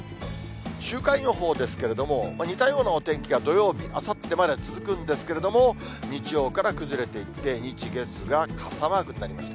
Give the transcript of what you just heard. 週間予報ですけれども、似たようなお天気が、土曜日、あさってまで続くんですけれども、日曜から崩れていって、日、月が傘マークになります。